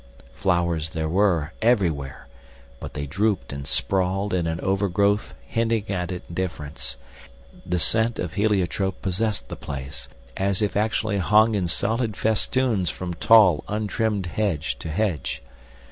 Flowers there were, everywhere; but they drooped and sprawled in an overgrowth hinting at indifference; the scent of heliotrope possessed the place, as if actually hung in solid festoons from tall untrimmed hedge to hedge.